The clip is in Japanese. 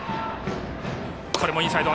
これもインサイド。